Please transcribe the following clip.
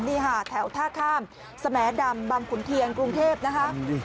นี่ค่ะแถวท่าข้ามสแมดำบำคุณเทียงกรุงเทพฯนะครับ